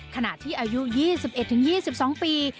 ขณะที่อายุ๒๑๒๒ปี